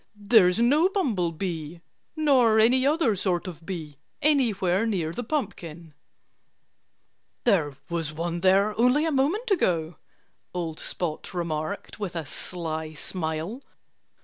"There's no bumblebee nor any other sort of bee anywhere near the pumpkin." "There was one there only a moment ago," old Spot remarked with a sly smile.